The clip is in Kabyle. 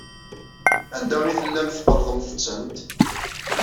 Anda ay tellamt tqerrḍemt-tent?